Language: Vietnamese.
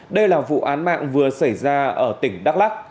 đây là vụ án mạng vừa xảy ra ở tỉnh đắk lắc